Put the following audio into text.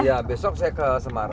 ya besok saya ke semarang